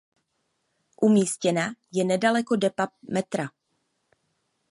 Umístěna je nedaleko depa metra.